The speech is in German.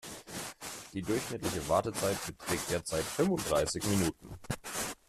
Die durchschnittliche Wartezeit beträgt derzeit fünfunddreißig Minuten.